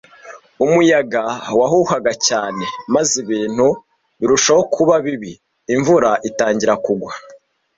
Umuyaga wahuhaga cyane, maze ibintu birushaho kuba bibi, imvura itangira kugwa.